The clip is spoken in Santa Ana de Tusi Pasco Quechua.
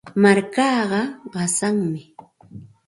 Markaata qasanmi.